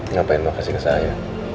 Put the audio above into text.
ngapain makasih ke saya